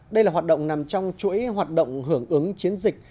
đây là hoạt động nằm trong chuỗi hoạt động hưởng ứng chiến dịch